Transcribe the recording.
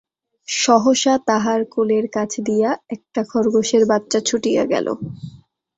সহসা তাহার কোলের কাছ দিয়া একটা খরগোশের বাচ্ছা ছুটিয়া গেল।